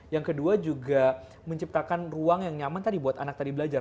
yang kedua juga menciptakan ruang yang nyaman tadi buat anak tadi belajar